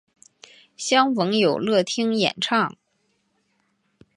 相逢有乐町演唱。